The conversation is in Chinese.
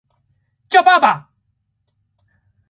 叫爸爸